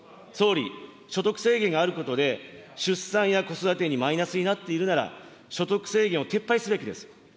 総理、所得制限があることで、出産や子育てにマイナスになっているなら、所得制限を撤廃すべきです。